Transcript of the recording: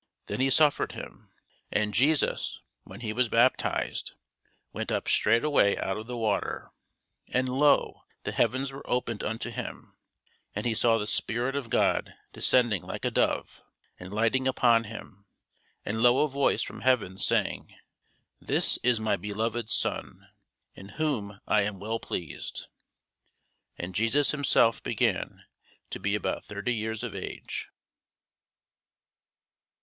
Then he suffered him. And Jesus, when he was baptized, went up straightway out of the water: and, lo, the heavens were opened unto him, and he saw the Spirit of God descending like a dove, and lighting upon him: and lo a voice from heaven, saying, This is my beloved Son, in whom I am well pleased. And Jesus himself began to be about thirty years of age.